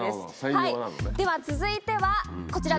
はいでは続いてはこちらです。